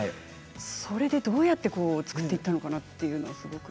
それでどうやって作っていったのかなというのが。